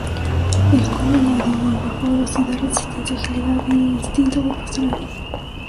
El Collie, añadió buen cuerpo, velocidad, resistencia, agilidad e instinto de pastoreo.